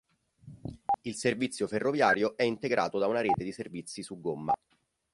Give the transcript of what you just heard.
Il servizio ferroviario è integrato da una rete di servizi su gomma.